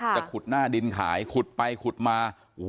จะขุดหน้าดินขายขุดไปขุดมา